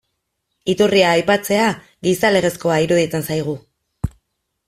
Iturria aipatzea, gizalegezkoa iruditzen zaigu.